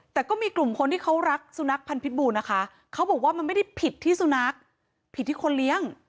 แต่ก็มีกลุ่มคนที่เขารักสุนัขพันธ์พิษบูนะคะเขาบอกว่ามันไม่ได้ผิดที่สุนัขผิดที่คนเลี้ยง